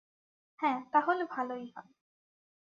হ্যাঁ, তাহলে ভালোই হয়।